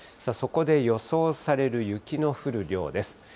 そこで予想される雪の降る量です。